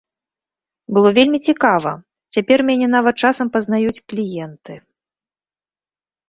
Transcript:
Было вельмі цікава, цяпер мяне нават часам пазнаюць кліенты.